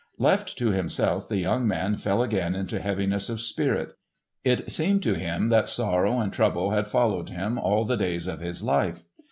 Left to himself the young man fell again into heaviness of spirit. It seemed to him that sorrow and trouble had followed him all the days of his life.